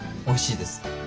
おいしいです。